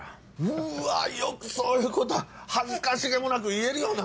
うわよくそういうこと恥ずかしげもなく言えるよな！